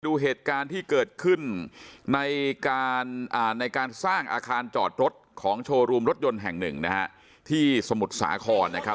ดูเหตุการณ์ที่เกิดขึ้นในการสร้างอาคารจอดรถของโชว์รูมรถยนต์แห่งหนึ่งนะฮะที่สมุทรสาครนะครับ